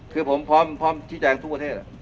คือผมพร้อมชี้แจงทุกประเทศ